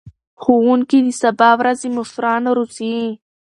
ښوونکي د سبا ورځې مشران روزي.